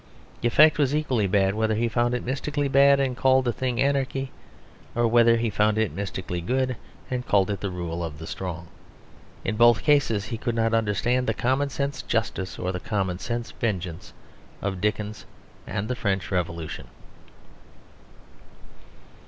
The effect was equally bad whether he found it mystically bad and called the thing anarchy, or whether he found it mystically good and called it the rule of the strong. In both cases he could not understand the common sense justice or the common sense vengeance of Dickens and the French Revolution.